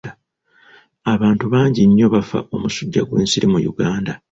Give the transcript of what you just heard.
Abantu bangi nnyo bafa omusujja gw'ensiri mu Uganda.